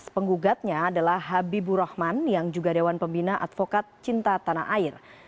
penggugatnya adalah habibur rahman yang juga dewan pembina advokat cinta tanah air